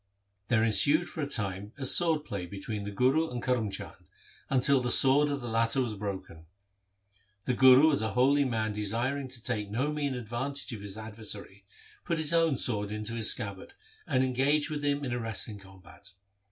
There ensued for a time a sword play between the Guru and Karm Chand, until the sword of the latter was broken. The Guru as a holy man desiring to take no mean advantage of his adversary, put his own sword into his scabbard, and engaged with him in a wrestling combat.